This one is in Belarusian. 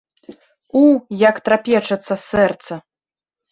У, як трапечацца сэрца.